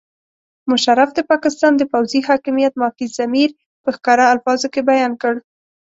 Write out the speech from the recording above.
مشرف د پاکستان د پوځي حاکمیت مافي الضمیر په ښکاره الفاظو کې بیان کړ.